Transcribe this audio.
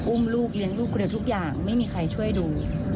อุ้มลูกเลี้ยงลูกคนเดียวทุกอย่างไม่มีใครช่วยดู